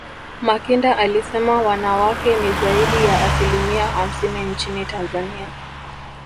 makinda alisema wanawake ni zaidi ya asilimia hamsini nchini tanzania